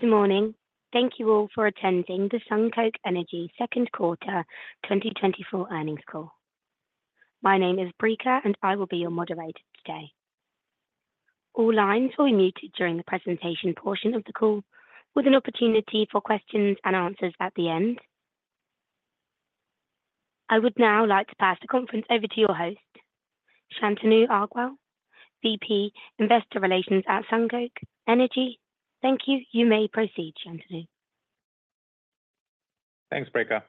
Good morning. Thank you all for attending the SunCoke Energy second quarter 2024 earnings call. My name is Brika, and I will be your moderator today. All lines will be muted during the presentation portion of the call, with an opportunity for questions and answers at the end. I would now like to pass the conference over to your host, Shantanu Agrawal, VP Investor Relations at SunCoke Energy. Thank you. You may proceed, Shantanu. Thanks, Brika.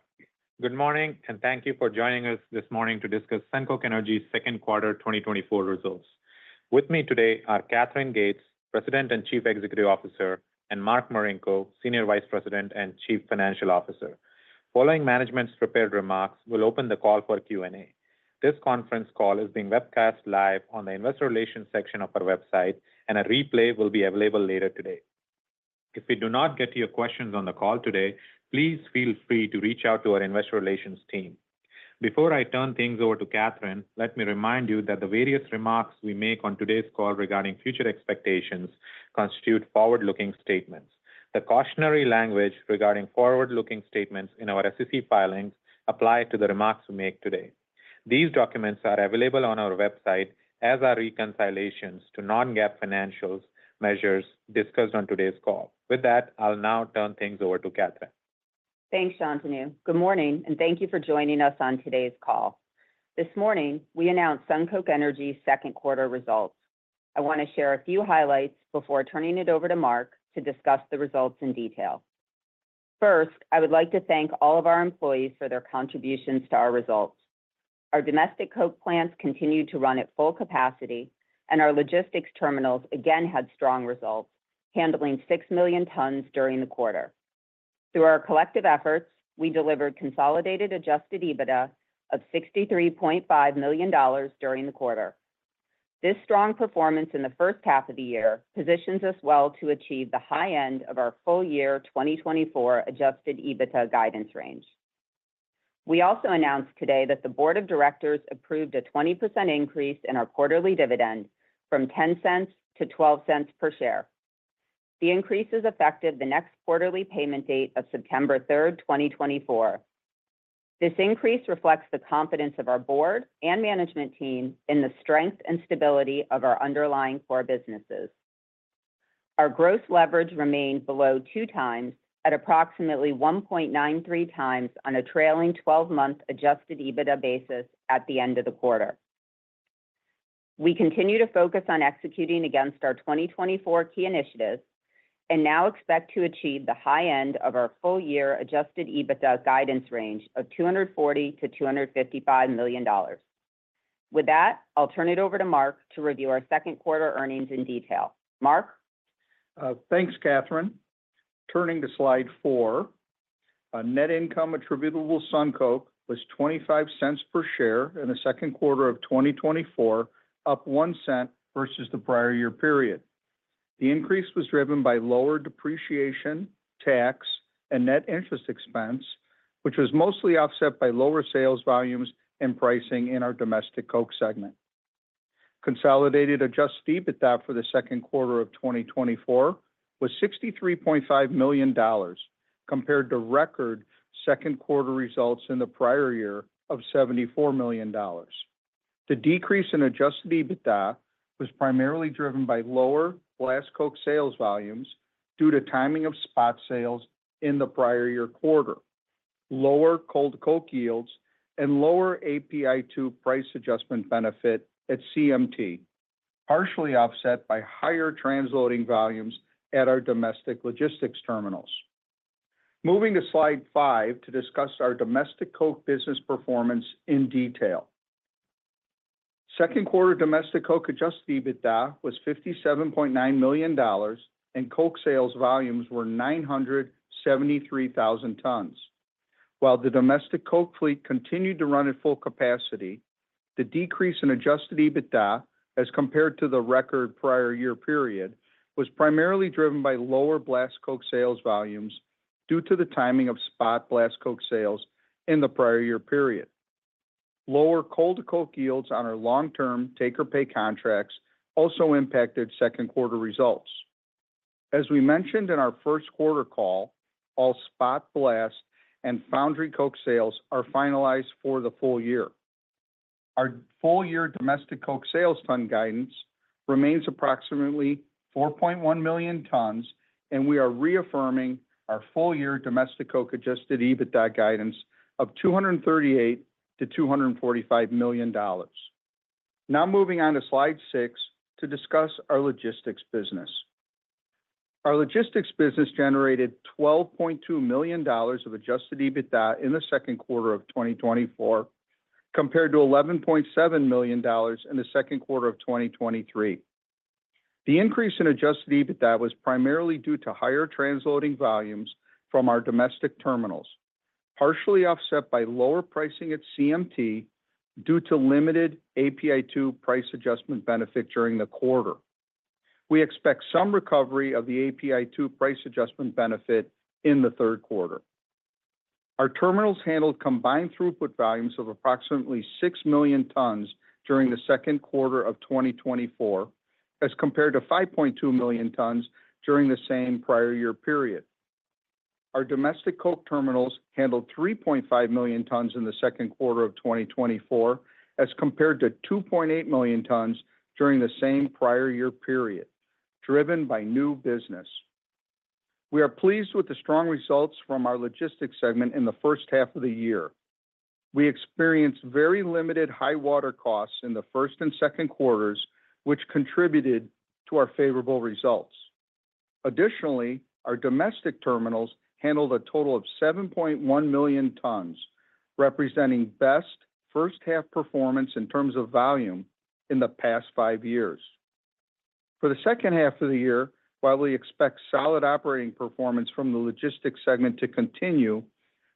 Good morning, and thank you for joining us this morning to discuss SunCoke Energy's second quarter 2024 results. With me today are Katherine Gates, President and Chief Executive Officer, and Mark Marinko, Senior Vice President and Chief Financial Officer. Following management's prepared remarks, we'll open the call for Q&A. This conference call is being webcast live on the Investor Relations section of our website, and a replay will be available later today. If we do not get to your questions on the call today, please feel free to reach out to our Investor Relations team. Before I turn things over to Katherine, let me remind you that the various remarks we make on today's call regarding future expectations constitute forward-looking statements. The cautionary language regarding forward-looking statements in our SEC filings applies to the remarks we make today. These documents are available on our website, as are reconciliations to non-GAAP financial measures discussed on today's call. With that, I'll now turn things over to Katherine. Thanks, Shantanu. Good morning, and thank you for joining us on today's call. This morning, we announced SunCoke Energy's second quarter results. I want to share a few highlights before turning it over to Mark to discuss the results in detail. First, I would like to thank all of our employees for their contributions to our results. Our domestic coke plants continued to run at full capacity, and our logistics terminals again had strong results, handling 6 million tons during the quarter. Through our collective efforts, we delivered consolidated Adjusted EBITDA of $63.5 million during the quarter. This strong performance in the first half of the year positions us well to achieve the high end of our full-year 2024 Adjusted EBITDA guidance range. We also announced today that the board of directors approved a 20% increase in our quarterly dividend from $0.10 to $0.12 per share. The increase is effective the next quarterly payment date of September 3, 2024. This increase reflects the confidence of our board and management team in the strength and stability of our underlying core businesses. Our gross leverage remained below 2 times at approximately 1.93 times on a trailing 12-month adjusted EBITDA basis at the end of the quarter. We continue to focus on executing against our 2024 key initiatives and now expect to achieve the high end of our full-year adjusted EBITDA guidance range of $240 million-$255 million. With that, I'll turn it over to Mark to review our second quarter earnings in detail. Mark? Thanks, Katherine. Turning to slide four, net income attributable to SunCoke was $0.25 per share in the second quarter of 2024, up $0.01 versus the prior year period. The increase was driven by lower depreciation, tax, and net interest expense, which was mostly offset by lower sales volumes and pricing in our Domestic Coke segment. Consolidated Adjusted EBITDA for the second quarter of 2024 was $63.5 million, compared to record second quarter results in the prior year of $74 million. The decrease in Adjusted EBITDA was primarily driven by lower blast coke sales volumes due to timing of spot sales in the prior year quarter, lower coke yields, and lower API 2 price adjustment benefit at CMT, partially offset by higher transloading volumes at our domestic logistics terminals. Moving to slide five to discuss our Domestic Coke business performance in detail. Second quarter Domestic Coke Adjusted EBITDA was $57.9 million, and coke sales volumes were 973,000 tons. While the domestic coke fleet continued to run at full capacity, the decrease in Adjusted EBITDA as compared to the record prior year period was primarily driven by lower blast coke sales volumes due to the timing of spot blast coke sales in the prior year period. Lower coke yields on our long-term take-or-pay contracts also impacted second quarter results. As we mentioned in our first quarter call, all spot blast and foundry coke sales are finalized for the full year. Our full-year Domestic Coke sales ton guidance remains approximately 4.1 million tons, and we are reaffirming our full-year Domestic Coke Adjusted EBITDA guidance of $238 million-$245 million. Now moving on to slide six to discuss our logistics business. Our logistics business generated $12.2 million of Adjusted EBITDA in the second quarter of 2024, compared to $11.7 million in the second quarter of 2023. The increase in Adjusted EBITDA was primarily due to higher transloading volumes from our domestic terminals, partially offset by lower pricing at CMT due to limited API 2 price adjustment benefit during the quarter. We expect some recovery of the API 2 price adjustment benefit in the third quarter. Our terminals handled combined throughput volumes of approximately 6 million tons during the second quarter of 2024, as compared to 5.2 million tons during the same prior year period. Our domestic coke terminals handled 3.5 million tons in the second quarter of 2024, as compared to 2.8 million tons during the same prior year period, driven by new business. We are pleased with the strong results from our logistics segment in the first half of the year. We experienced very limited high-water costs in the first and second quarters, which contributed to our favorable results. Additionally, our domestic terminals handled a total of 7.1 million tons, representing best first-half performance in terms of volume in the past five years. For the second half of the year, while we expect solid operating performance from the logistics segment to continue,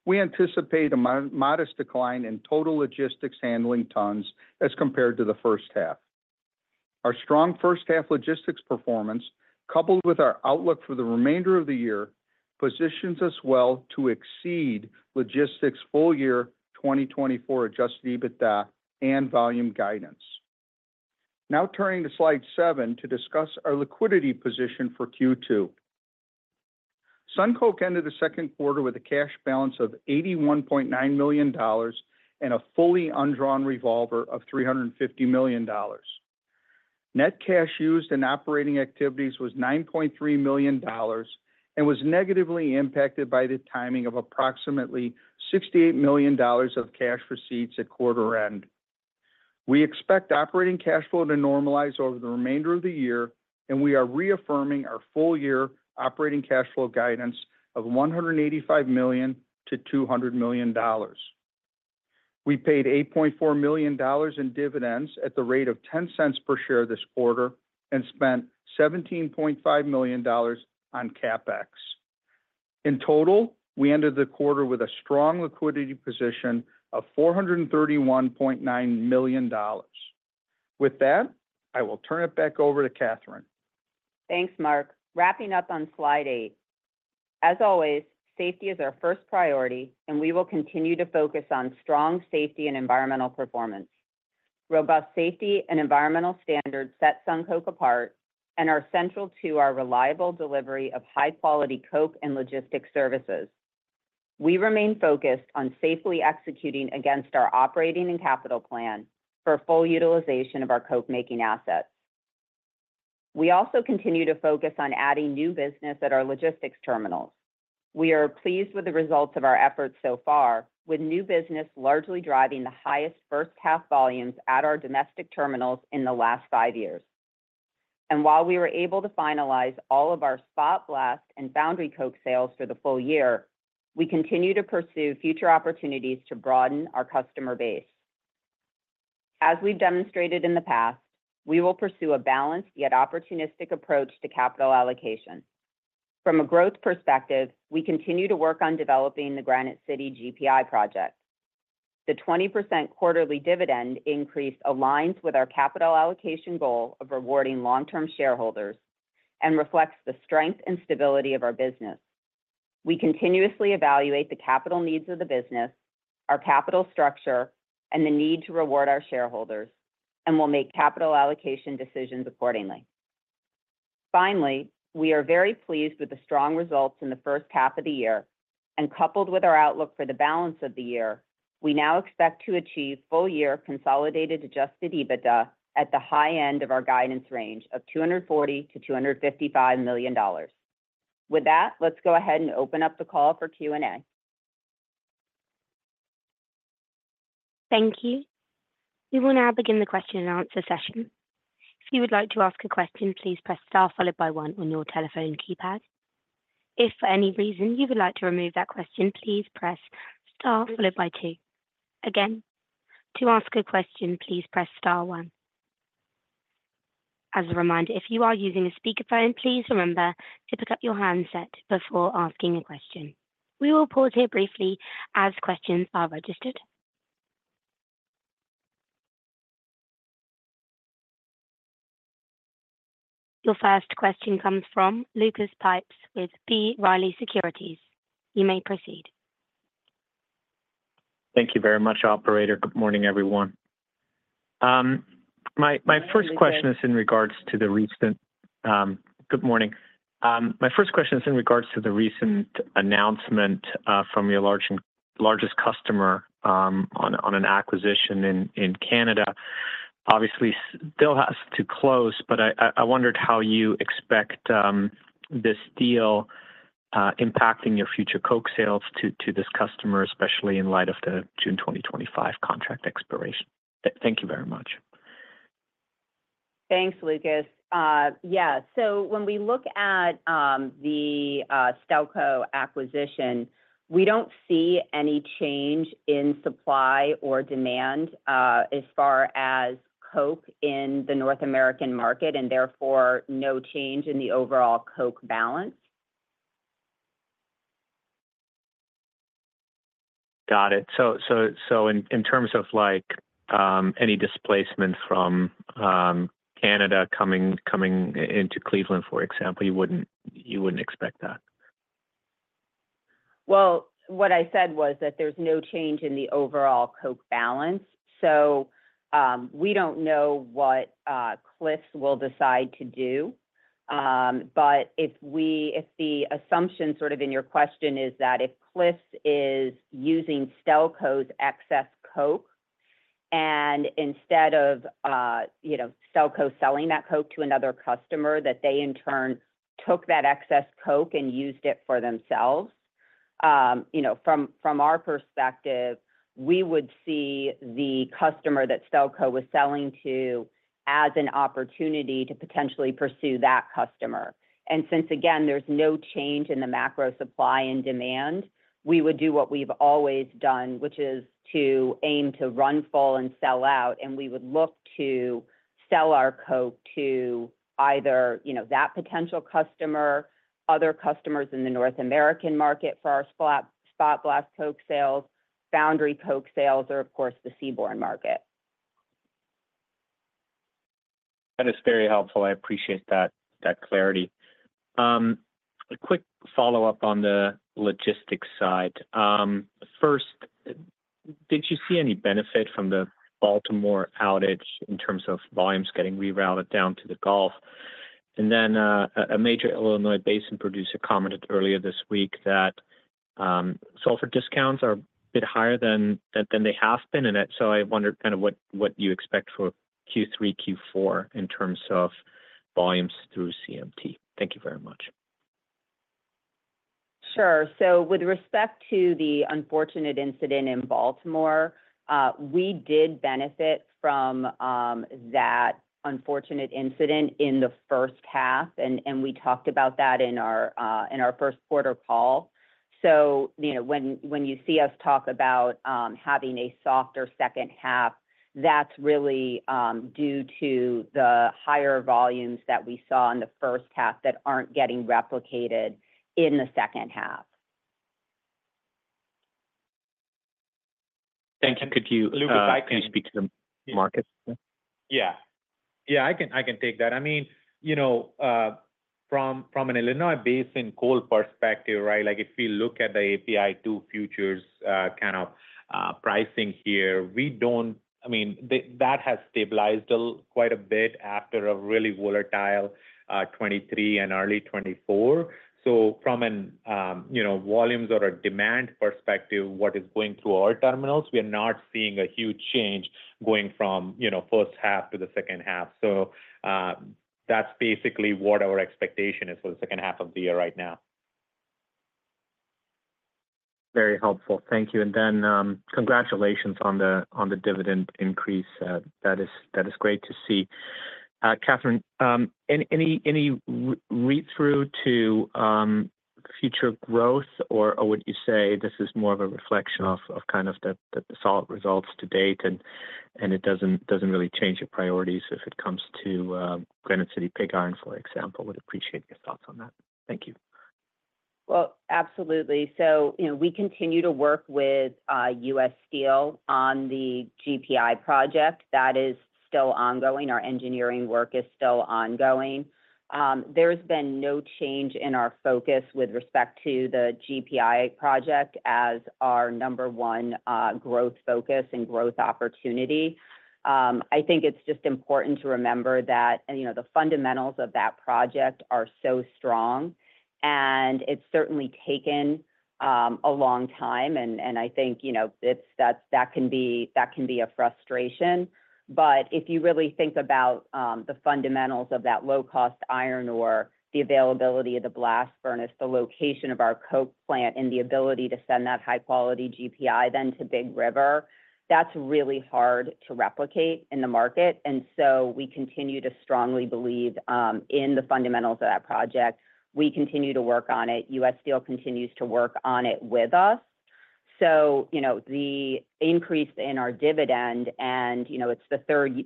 we anticipate a modest decline in total logistics handling tons as compared to the first half. Our strong first-half logistics performance, coupled with our outlook for the remainder of the year, positions us well to exceed logistics full-year 2024 Adjusted EBITDA and volume guidance. Now turning to slide seven to discuss our liquidity position for Q2. SunCoke ended the second quarter with a cash balance of $81.9 million and a fully undrawn revolver of $350 million. Net cash used in operating activities was $9.3 million and was negatively impacted by the timing of approximately $68 million of cash receipts at quarter end. We expect operating cash flow to normalize over the remainder of the year, and we are reaffirming our full-year operating cash flow guidance of $185 million-$200 million. We paid $8.4 million in dividends at the rate of $0.10 per share this quarter and spent $17.5 million on CapEx. In total, we ended the quarter with a strong liquidity position of $431.9 million. With that, I will turn it back over to Katherine. Thanks, Mark. Wrapping up on slide 8. As always, safety is our first priority, and we will continue to focus on strong safety and environmental performance. Robust safety and environmental standards set SunCoke apart and are central to our reliable delivery of high-quality coke and logistics services. We remain focused on safely executing against our operating and capital plan for full utilization of our coke-making assets. We also continue to focus on adding new business at our logistics terminals. We are pleased with the results of our efforts so far, with new business largely driving the highest first-half volumes at our domestic terminals in the last five years. And while we were able to finalize all of our spot blast and foundry coke sales for the full year, we continue to pursue future opportunities to broaden our customer base. As we've demonstrated in the past, we will pursue a balanced yet opportunistic approach to capital allocation. From a growth perspective, we continue to work on developing the Granite City GPI project. The 20% quarterly dividend increase aligns with our capital allocation goal of rewarding long-term shareholders and reflects the strength and stability of our business. We continuously evaluate the capital needs of the business, our capital structure, and the need to reward our shareholders, and we'll make capital allocation decisions accordingly. Finally, we are very pleased with the strong results in the first half of the year, and coupled with our outlook for the balance of the year, we now expect to achieve full-year consolidated Adjusted EBITDA at the high end of our guidance range of $240 million-$255 million. With that, let's go ahead and open up the call for Q&A. Thank you. We will now begin the question and answer session. If you would like to ask a question, please press star followed by one on your telephone keypad. If for any reason you would like to remove that question, please press star followed by two. Again, to ask a question, please press star one. As a reminder, if you are using a speakerphone, please remember to pick up your handset before asking a question. We will pause here briefly as questions are registered. Your first question comes from Lucas Pipes with B. Riley Securities. You may proceed. Thank you very much, Operator. Good morning, everyone. My first question is in regards to the recent announcement from your largest customer on an acquisition in Canada. Obviously, still has to close, but I wondered how you expect this deal impacting your future coke sales to this customer, especially in light of the June 2025 contract expiration. Thank you very much. Thanks, Lucas. Yeah, so when we look at the Stelco acquisition, we don't see any change in supply or demand as far as coke in the North American market, and therefore no change in the overall coke balance. Got it. So in terms of any displacement from Canada coming into Cleveland, for example, you wouldn't expect that. Well, what I said was that there's no change in the overall coke balance. So we don't know what Cliffs will decide to do. But if the assumption sort of in your question is that if Cliffs is using Stelco's excess coke, and instead of Stelco selling that coke to another customer, that they in turn took that excess coke and used it for themselves, from our perspective, we would see the customer that Stelco was selling to as an opportunity to potentially pursue that customer. And since, again, there's no change in the macro supply and demand, we would do what we've always done, which is to aim to run full and sell out, and we would look to sell our coke to either that potential customer, other customers in the North American market for our spot blast Coke sales, foundry Coke sales, or, of course, the seaborne market. That is very helpful. I appreciate that clarity. A quick follow-up on the logistics side. First, did you see any benefit from the Baltimore outage in terms of volumes getting rerouted down to the Gulf? And then a major Illinois Basin producer commented earlier this week that sulfur discounts are a bit higher than they have been. And so I wondered kind of what you expect for Q3, Q4 in terms of volumes through CMT. Thank you very much. Sure. So with respect to the unfortunate incident in Baltimore, we did benefit from that unfortunate incident in the first half, and we talked about that in our first quarter call. So when you see us talk about having a softer second half, that's really due to the higher volumes that we saw in the first half that aren't getting replicated in the second half. Thank you. Could you, Lucas, speak to Mark? Yeah. Yeah, I can take that. I mean, from an Illinois Basin coal perspective, right, if we look at the API 2 futures kind of pricing here, we don't, I mean, that has stabilized quite a bit after a really volatile 2023 and early 2024. So from a volumes or a demand perspective, what is going through our terminals, we are not seeing a huge change going from first half to the second half. So that's basically what our expectation is for the second half of the year right now. Very helpful. Thank you. Then congratulations on the dividend increase. That is great to see. Katherine, any read-through to future growth, or would you say this is more of a reflection of kind of the solid results to date, and it doesn't really change your priorities if it comes to Granite City Pig Iron, for example? Would appreciate your thoughts on that. Thank you. Well, absolutely. So we continue to work with U.S. Steel on the GPI project. That is still ongoing. Our engineering work is still ongoing. There's been no change in our focus with respect to the GPI project as our number one growth focus and growth opportunity. I think it's just important to remember that the fundamentals of that project are so strong, and it's certainly taken a long time. And I think that can be a frustration. But if you really think about the fundamentals of that low-cost iron ore, the availability of the blast furnace, the location of our coke plant, and the ability to send that high-quality GPI then to Big River, that's really hard to replicate in the market. And so we continue to strongly believe in the fundamentals of that project. We continue to work on it. U.S. Steel continues to work on it with us. The increase in our dividend, and it's the third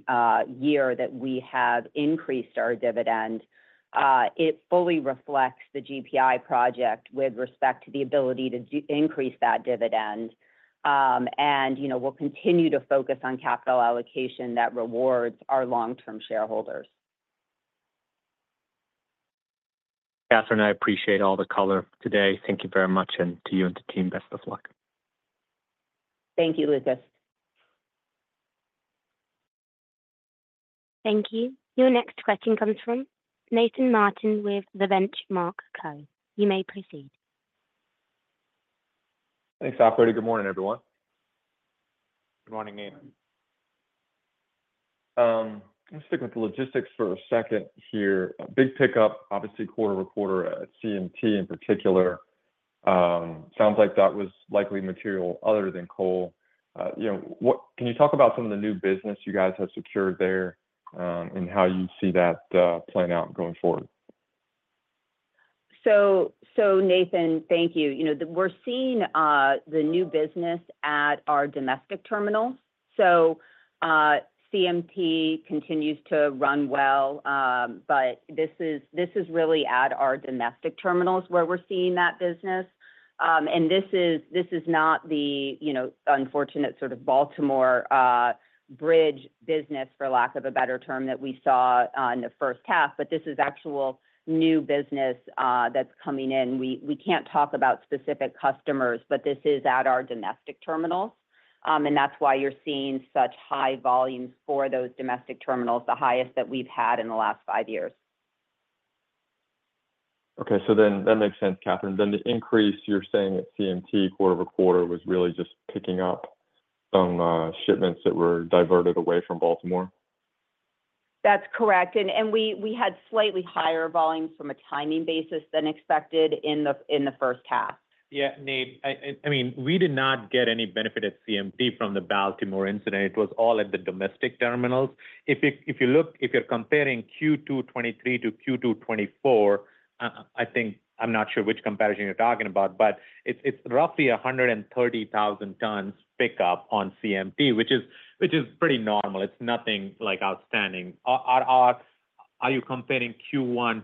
year that we have increased our dividend, fully reflects the GPI project with respect to the ability to increase that dividend. We'll continue to focus on capital allocation that rewards our long-term shareholders. Katherine, I appreciate all the color today. Thank you very much. To you and the team, best of luck. Thank you, Lucas. Thank you. Your next question comes from Nathan Martin with the Benchmark Co. You may proceed. Thanks, Operator. Good morning, everyone. Good morning, Nate. Let's stick with the logistics for a second here. Big pickup, obviously, quarter-over-quarter at CMT in particular. Sounds like that was likely material other than coal. Can you talk about some of the new business you guys have secured there and how you see that playing out going forward? So, Nathan, thank you. We're seeing the new business at our domestic terminals. So CMT continues to run well, but this is really at our domestic terminals where we're seeing that business. And this is not the unfortunate sort of Baltimore bridge business, for lack of a better term, that we saw in the first half, but this is actual new business that's coming in. We can't talk about specific customers, but this is at our domestic terminals. And that's why you're seeing such high volumes for those domestic terminals, the highest that we've had in the last five years. Okay. So then that makes sense, Katherine. Then the increase you're saying at CMT quarter-over-quarter was really just picking up some shipments that were diverted away from Baltimore? That's correct. We had slightly higher volumes from a timing basis than expected in the first half. Yeah, Nate. I mean, we did not get any benefit at CMT from the Baltimore incident. It was all at the domestic terminals. If you look, if you're comparing Q2 2023 to Q2 2024, I think I'm not sure which comparison you're talking about, but it's roughly 130,000 tons pickup on CMT, which is pretty normal. It's nothing outstanding. Are you comparing Q1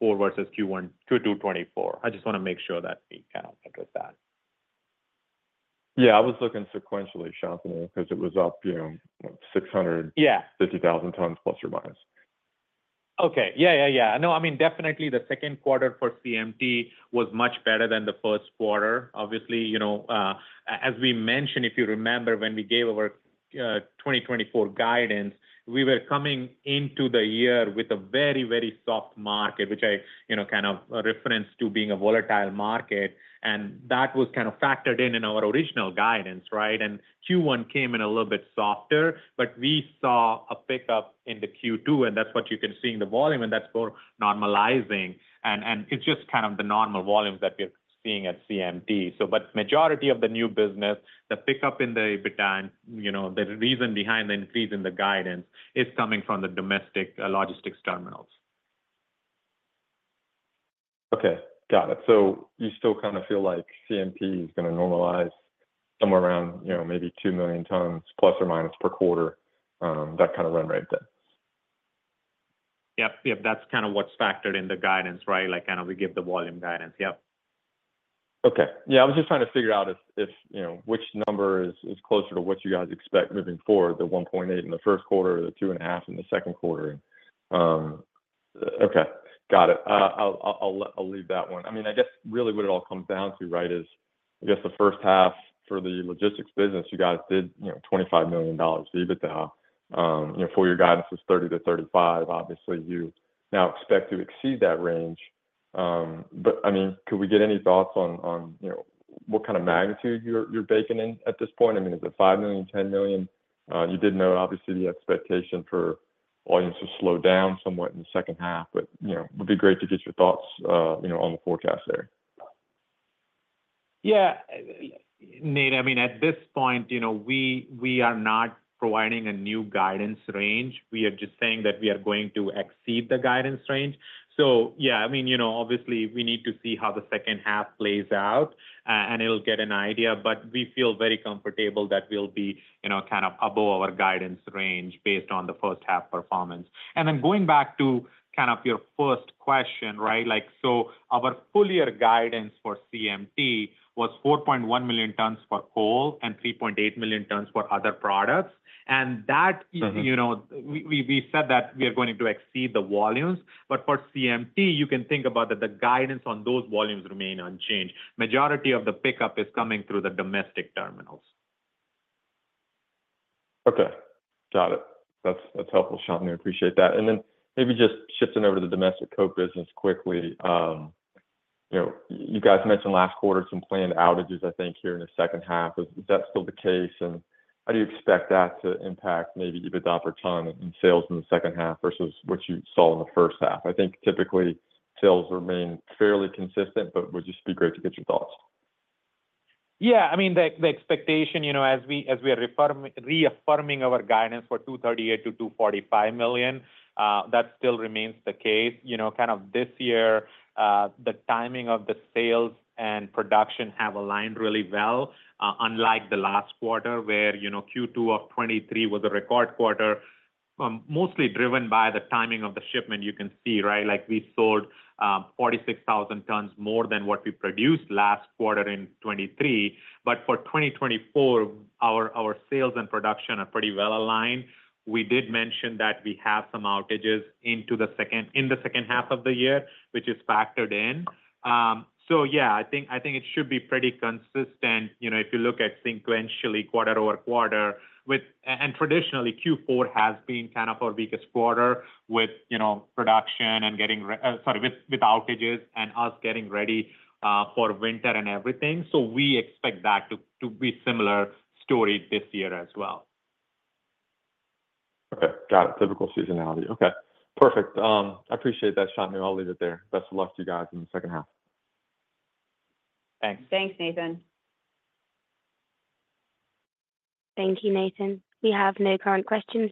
2024 versus Q2 2024? I just want to make sure that we kind of address that. Yeah. I was looking sequentially, Shantanu, because it was up 650,000 tons ±. Okay. Yeah, yeah, yeah. No, I mean, definitely the second quarter for CMT was much better than the first quarter. Obviously, as we mentioned, if you remember, when we gave our 2024 guidance, we were coming into the year with a very, very soft market, which I kind of referenced to being a volatile market. And that was kind of factored in in our original guidance, right? And Q1 came in a little bit softer, but we saw a pickup in the Q2, and that's what you can see in the volume, and that's normalizing. And it's just kind of the normal volumes that we're seeing at CMT. But majority of the new business, the pickup in the EBITDA, and the reason behind the increase in the guidance is coming from the domestic logistics terminals. Okay. Got it. So you still kind of feel like CMT is going to normalize somewhere around maybe 2 million tons ± per quarter, that kind of run rate then? Yep. Yep. That's kind of what's factored in the guidance, right? Kind of we give the volume guidance. Yep. Okay. Yeah. I was just trying to figure out which number is closer to what you guys expect moving forward, the 1.8 in the first quarter, the 2.5 in the second quarter. Okay. Got it. I'll leave that one. I mean, I guess really what it all comes down to, right, is I guess the first half for the logistics business, you guys did $25 million EBITDA. Four-year guidance was $30 million-$35 million. Obviously, you now expect to exceed that range. But I mean, could we get any thoughts on what kind of magnitude you're baking in at this point? I mean, is it $5 million, $10 million? You did note, obviously, the expectation for volumes to slow down somewhat in the second half, but it would be great to get your thoughts on the forecast there. Yeah. Nate, I mean, at this point, we are not providing a new guidance range. We are just saying that we are going to exceed the guidance range. So yeah, I mean, obviously, we need to see how the second half plays out, and it'll get an idea. But we feel very comfortable that we'll be kind of above our guidance range based on the first half performance. And then going back to kind of your first question, right? So our full-year guidance for CMT was 4.1 million tons for coal and 3.8 million tons for other products. And we said that we are going to exceed the volumes. But for CMT, you can think about that the guidance on those volumes remain unchanged. Majority of the pickup is coming through the domestic terminals. Okay. Got it. That's helpful, Shantanu. Appreciate that. And then maybe just shifting over to the Domestic Coke business quickly. You guys mentioned last quarter some planned outages, I think, here in the second half. Is that still the case? And how do you expect that to impact maybe EBITDA per ton and sales in the second half versus what you saw in the first half? I think typically sales remain fairly consistent, but would just be great to get your thoughts. Yeah. I mean, the expectation, as we are reaffirming our guidance for $238 million-$245 million, that still remains the case. Kind of this year, the timing of the sales and production have aligned really well, unlike the last quarter where Q2 of 2023 was a record quarter, mostly driven by the timing of the shipment. You can see, right? We sold 46,000 tons more than what we produced last quarter in 2023. But for 2024, our sales and production are pretty well aligned. We did mention that we have some outages in the second half of the year, which is factored in. So yeah, I think it should be pretty consistent if you look at sequentially quarter-over-quarter. And traditionally, Q4 has been kind of our weakest quarter with production and getting—sorry, with outages and us getting ready for winter and everything. We expect that to be a similar story this year as well. Okay. Got it. Typical seasonality. Okay. Perfect. I appreciate that, Shantanu. I'll leave it there. Best of luck to you guys in the second half. Thanks. Thanks, Nathan. Thank you, Nathan. We have no current questions.